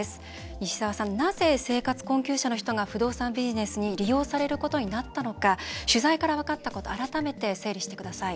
西澤さん、なぜ生活困窮者の人が不動産ビジネスに利用されることになったのか取材から分かったこと改めて、整理してください。